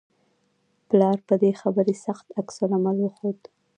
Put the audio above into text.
پلار په دې خبرې سخت عکس العمل وښود